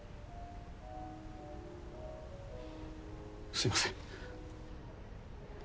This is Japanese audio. すいません。